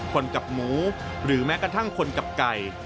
คนกับหมูหรือแม้กระทั่งคนกับไก่